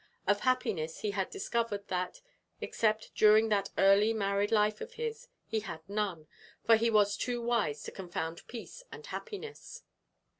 Of happiness he had discovered that, except during that early married life of his, he had none, for he was too wise to confound peace and happiness.